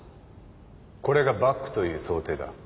これがバッグという想定だ。